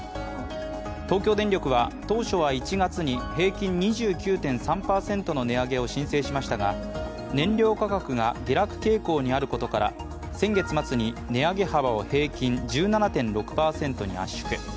東京電力は当初は１月に平均２９．３％の値上げを申請しましたが燃料価格が下落傾向にあることから先月末に値上げ幅を平均１７．６％に圧縮。